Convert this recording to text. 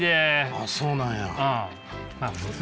あっそうなんや。